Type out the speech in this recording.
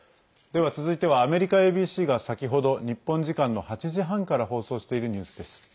では続いてはアメリカＡＢＣが先ほど日本時間の８時半から放送しているニュースです。